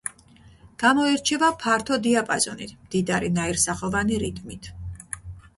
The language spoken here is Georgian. გამოირჩევა ფართო დიაპაზონით, მდიდარი, ნაირსახოვანი რიტმით.